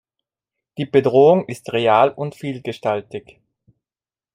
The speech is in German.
Die Bedrohung ist real und vielgestaltig.